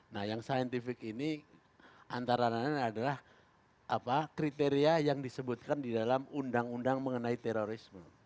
nah yang scientific ini antara lain adalah kriteria yang disebutkan di dalam undang undang mengenai terorisme